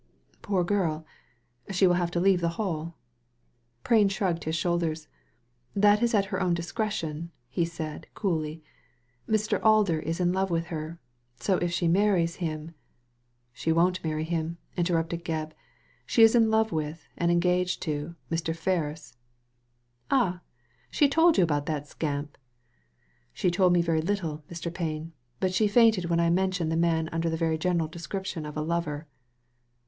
" Poor girl. She will have to leave the Hall." Prain shrugged his shoulders. That is at her own discretion," he said, coolly. " Mr. Alder is in love with her; so if she marries him " "She won't marry him," interrupted Gebb ; "she is in love with, and engaged to, Mr. Ferris." " Ah ! she told you about that scamp ?She told me very little, Mr. Prain ; but she fainted when I mentioned the man under the very general description of a lover."